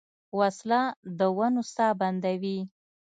وسله د ونو ساه بندوي